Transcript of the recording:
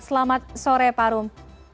selamat sore pak rum